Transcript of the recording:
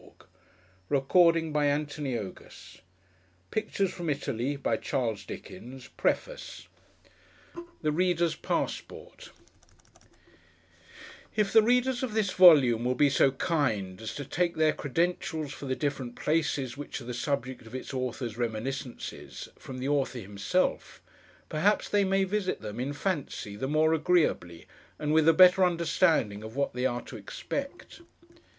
A._ 218 ITALIAN PEASANTS ,,,,,, 250 THE CHIFFONIER ,,,,,, 294 IN THE CATACOMBS ,,,,,, 326 THE READER'S PASSPORT IF the readers of this volume will be so kind as to take their credentials for the different places which are the subject of its author's reminiscences, from the Author himself, perhaps they may visit them, in fancy, the more agreeably, and with a better understanding of what they are to expect.